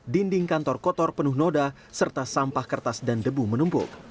dinding kantor kotor penuh noda serta sampah kertas dan debu menumpuk